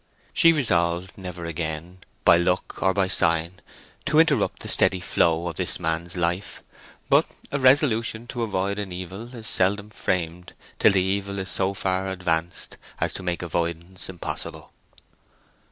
She resolved never again, by look or by sign, to interrupt the steady flow of this man's life. But a resolution to avoid an evil is seldom framed till the evil is so far advanced as to make avoidance impossible.